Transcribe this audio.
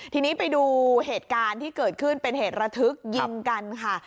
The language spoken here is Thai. ทีนี้ไปดูเหตุการณ์ที่เกิดขึ้นเป็นเหตุระทึกยิงกันค่ะ